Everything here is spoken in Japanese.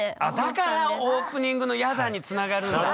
だからオープニングの「嫌だ」につながるんだ。